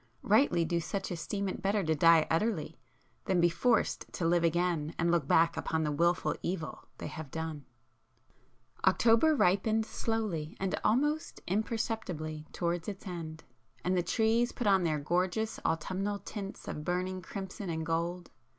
Rightly do such esteem it better to die utterly, than be forced to live again and look back upon the wilful evil they have done! October ripened slowly and almost imperceptibly towards its end, and the trees put on their gorgeous autumnal tints of burning crimson and gold.